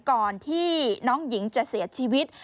ก่อนที่น้องหญิงจะเสียชีวิต